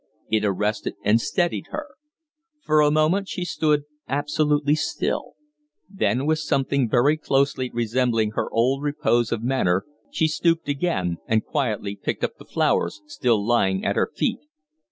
It arrested and steadied her. For a moment she stood absolutely still; then, with something very closely resembling her old repose of manner, she stooped again and quietly picked up the flowers still lying at her feet.